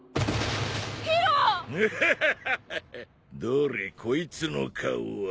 どれこいつの顔は。